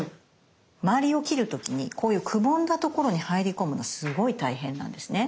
周りを切る時にこういうくぼんだところに入り込むのすごい大変なんですね。